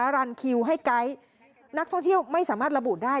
รันคิวให้ไกด์นักท่องเที่ยวไม่สามารถระบุได้